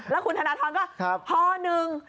แล้วคุณธนทรก็ห้อนึง